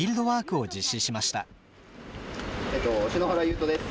篠原優斗です。